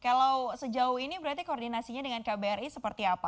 kalau sejauh ini berarti koordinasinya dengan kbri seperti apa